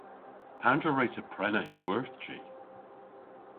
Pandr'a wre'ta prena y'n gwerthji?